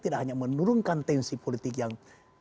tidak hanya menurunkan tensi politik yang